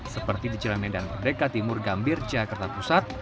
seperti di jalan medan merdeka timur gambir jakarta pusat